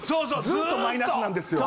ずっとマイナスなんですよ。